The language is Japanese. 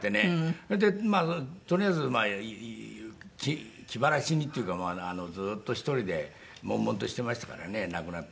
それでとりあえず気晴らしにっていうかずっと１人でもんもんとしていましたからね亡くなって。